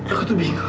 aku tuh bingung